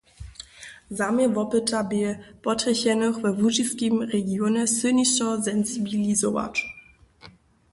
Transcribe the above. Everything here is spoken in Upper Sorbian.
Zaměr wopyta bě, potrjechenych we łužiskim regionje sylnišo sensibilizować.